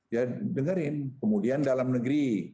ya dengerin kemudian dalam negeri